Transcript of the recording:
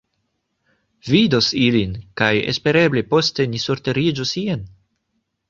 Vidos illin kaj espereble poste ni surteriĝos ien.